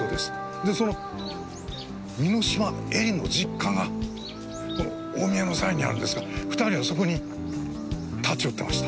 でその簑島絵里の実家が大宮の在にあるんですが２人はそこに立ち寄ってました。